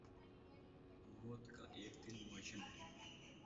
موت کا ایک دن معین ہے